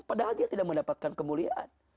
padahal dia tidak mendapatkan kemuliaan